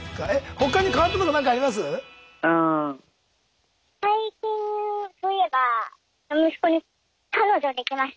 他に変わったことなんかあります？